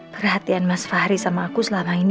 perhatian mas fahri sama aku selama ini